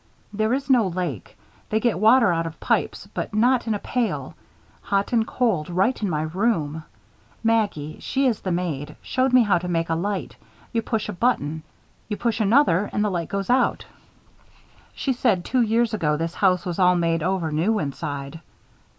There is no lake. They get water out of pipes but not in a pail. Hot and cold right in my room. Maggie, she is the maid, showed me how to make a light. You push a button. You push another and the light goes out. She said two years ago this house was all made over new inside.